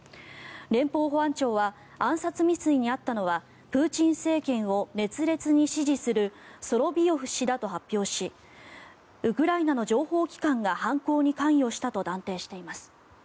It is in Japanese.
連邦保安庁は暗殺未遂に遭ったのはプーチン政権を熱烈に支持するソロビヨフ氏だと発表しウクライナの情報機関が犯行に関与したと断定しています。